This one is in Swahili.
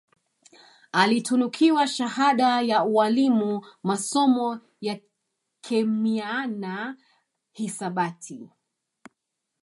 Alitunukiwa shahada ya ualimu masomo ya kemiana hisabati